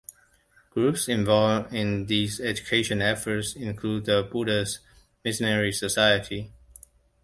Groups involved in these education efforts include the Buddhist Missionary Society.